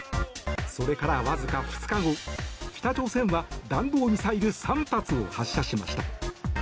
それから、わずか２日後北朝鮮は弾道ミサイル３発を発射しました。